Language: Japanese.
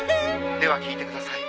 では聞いてください。